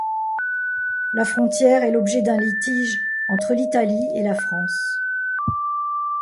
La frontière est l'objet d'un litige entre l'Italie et la France.